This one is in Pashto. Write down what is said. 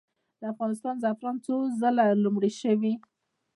د افغانستان زعفران څو ځله لومړي شوي؟